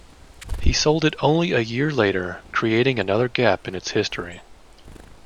He sold it only a year later, creating another gap in its history.